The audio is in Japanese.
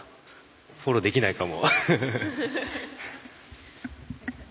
フォローできないかも。